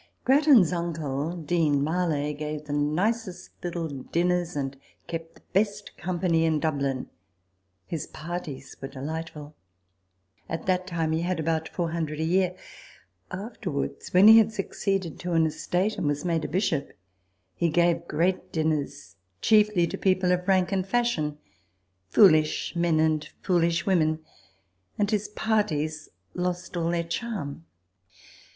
f Grattan'suncle, Dean Marlay, gave the nicest little dinners and kept the best company in Dublin ; his parties were delightful. At that time he had about four hundred a year. After wards, when he succeeded to an estate and was made a Bishop, he gave great dinners chiefly to people of rank and fashion (foolish men and foolish _ women) ; and his parties lost all their charm.